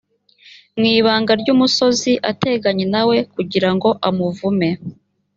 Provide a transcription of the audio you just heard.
mu ibanga ry’umusozi ateganye na we kugira ngo amuvume